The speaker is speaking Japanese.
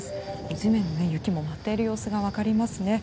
地面に雪も待っている様子が分かりますね。